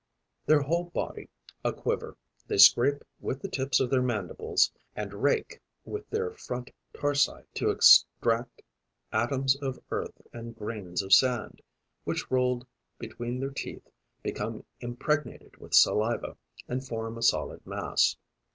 Their whole body aquiver, they scrape with the tips of their mandibles and rake with their front tarsi to extract atoms of earth and grains of sand, which, rolled between their teeth, become impregnated with saliva and form a solid mass.